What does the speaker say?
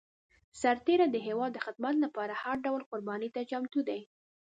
سرتېری د هېواد د خدمت لپاره هر ډول قرباني ته چمتو دی.